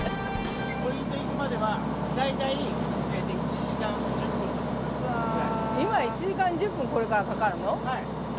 ポイント行くまでは大体１時今１時間１０分、これからかはい。